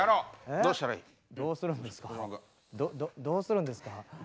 どどどうするんですか。